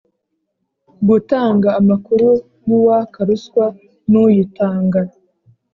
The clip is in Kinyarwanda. gutanga amakuru y'uwaka ruswa n'uyitanga.